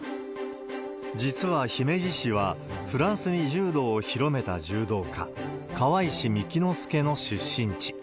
実は姫路市は、フランスに柔道を広めた柔道家、川石酒造之助の出身地。